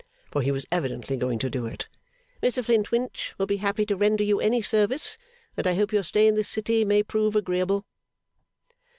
For he was evidently going to do it. 'Mr Flintwinch will be happy to render you any service, and I hope your stay in this city may prove agreeable.